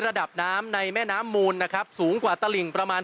ระดับน้ำในแม่น้ำมูลนะครับสูงกว่าตลิงประมาณ